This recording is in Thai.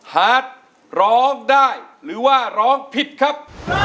ฮาร์ดร้องได้หรือว่าร้องผิดครับ